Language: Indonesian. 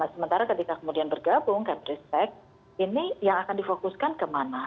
sementara ketika kemudian bergabung kepristek ini yang akan difokuskan kemana